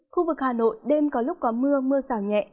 khu vực hà nội đêm có lúc có mưa mưa rào nhẹ